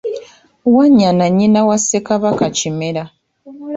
Wanyana nnyina wa Ssekabaka Kimera .